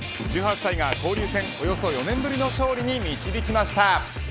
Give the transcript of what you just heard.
１８歳が交流戦およそ４年ぶりの勝利に導きました。